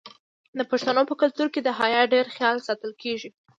د پښتنو په کلتور کې د حیا ډیر خیال ساتل کیږي.